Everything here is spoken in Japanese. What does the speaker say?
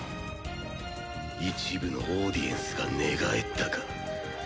一部のオーディエンスが寝返ったか。